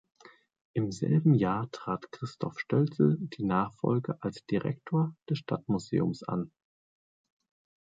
Im selben Jahr trat Christoph Stölzl die Nachfolge als Direktor des Stadtmuseums an.